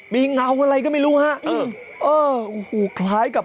มีเงาอะไรก็ไม่รู้ฮะ